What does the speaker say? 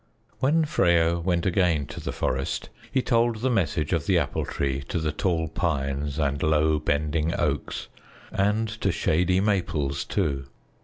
When Freyo went again to the forest, he told the message of the Apple Tree to the tall pines and low bending oaks, and to shady maples too.